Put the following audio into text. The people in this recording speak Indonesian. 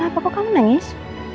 musyawabuk berapa kok nangis